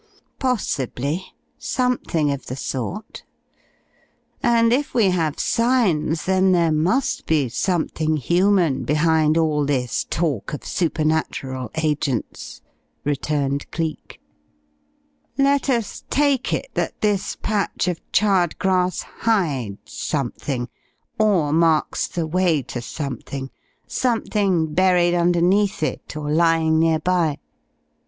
"Possibly, something of the sort. And if we have signs then there must be something human behind all this talk of supernatural agents," returned Cleek. "Let us take it that this patch of charred grass hides something, or marks the way to something, something buried underneath it, or lying near by.